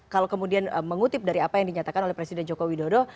kalau kemudian mengutip dari apa yang dinyatakan oleh presiden joko widodo